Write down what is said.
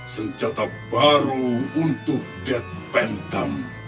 sencata baru untuk death phantom